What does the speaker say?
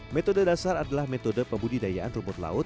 metode dasar adalah metode pembudidayaan rumput laut